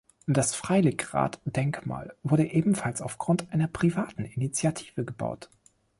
Das Freiligrath-Denkmal wurde ebenfalls auf Grund einer privaten Initiative gebaut.